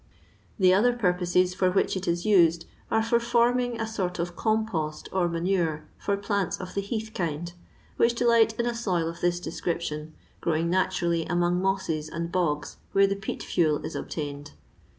The other purposes for which it is used are for farming a sort of compost or manure for plants of the heath kind, which delight in a soil of this description, growing naturally among mosses and bogs where the peat fuel is obtained.